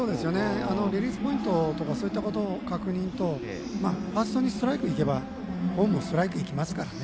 リリースポイントとかそういうことの確認とファーストにストライクいけばホームにストライク行きますからね。